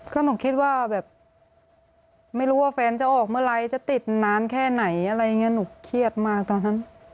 ก็หนูคิดว่าไม่รู้ว่าแฟนจะออกเมื่อไหร่จะติดนานแค่ไหนหนูเครียดมาตอนนั้น